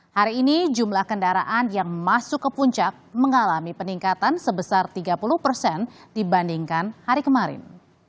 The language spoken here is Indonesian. hari ini jumlah kendaraan yang masuk ke puncak mengalami peningkatan sebesar tiga puluh persen dibandingkan hari kemarin